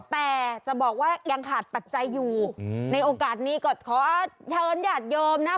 แต่จะบอกว่ายังขาดปัจจัยอยู่ในโอกาสนี้ก็ขอเชิญญาติโยมนะ